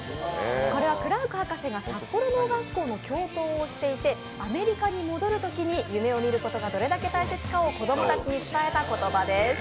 これはクラーク博士が札幌農学校の教頭をしていてアメリカに戻るときに夢を見ることが、どれだけ大切かを子供たちに伝えた言葉です。